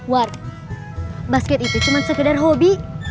what basket itu cuma sekedar hobi